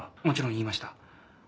もちろん言いました。